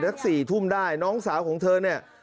สัก๔ทุ่มได้น้องสาวของเธอเนี่ย